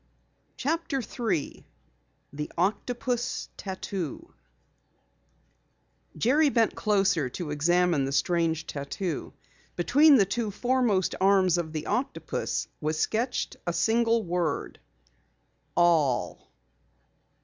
CHAPTER 3 THE OCTOPUS TATTOO Jerry bent closer to examine the strange tattoo. Between the two foremost arms of the octopus was sketched a single word: ALL.